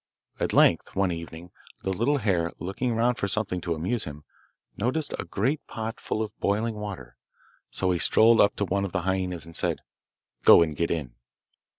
At length, one evening, the little hare, looking round for something to amuse him, noticed a great pot full of boiling water, so he strolled up to one of the hyaenas and said, 'Go and get in.